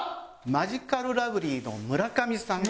マヂカルラブリーの村上さん。